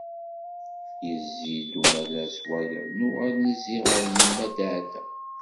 Yezzi-d umalas wayeḍ nuɣal nezzi ɣur yemma Daɛda.